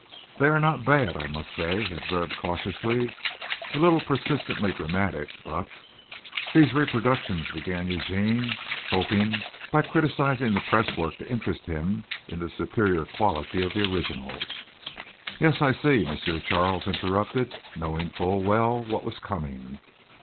"They are not bad, I must say," he observed cautiously. "A little persistently dramatic but " "These reproductions " began Eugene, hoping by criticising the press work to interest him in the superior quality of the originals. "Yes, I see," M. Charles interrupted, knowing full well what was coming.